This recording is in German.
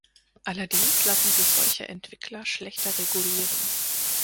Allerdings lassen sich solche Entwickler schlechter regulieren.